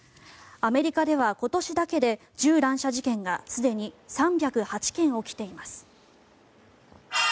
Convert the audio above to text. アメリカでは今年だけで銃乱射事件がすでに３０８件起きています。